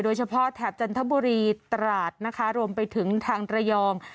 โดยเฉพาะแทบจันทบุรีตราดนะคะรวมไปถึงทางตระยอง